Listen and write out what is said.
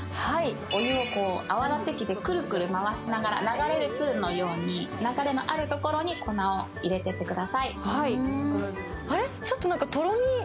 お湯をくるくる回しながら、流れるプールのように流れのあるところに粉を入れてください。